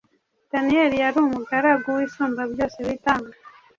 Daniyeli yari umugaragu w’Isumbabyose witanga.